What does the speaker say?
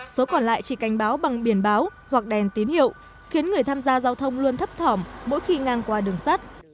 số còn lại chỉ cảnh báo bằng biển báo hoặc đèn tín hiệu khiến người tham gia giao thông luôn thấp thỏm mỗi khi ngang qua đường sắt